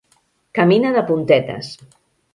Camina de puntetes.